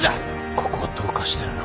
ここはどうかしてるな。